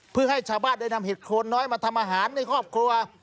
เพื่อให้ชาวบ้านได้นำเห็ดโคนน้อยมาทำอาหารในครอบครัว